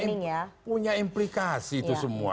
itu kan punya implikasi itu semua